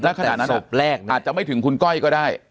ตั้งแต่ศพแรกเนี้ยอาจจะไม่ถึงคุณก้อยก็ได้